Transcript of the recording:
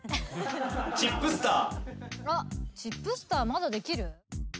あっチップスターまだできる？